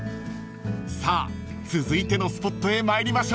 ［さあ続いてのスポットへ参りましょう］